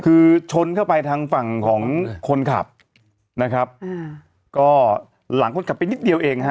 คือชนเข้าไปทางฝั่งของคนขับนะครับอ่าก็หลังคนขับไปนิดเดียวเองฮะ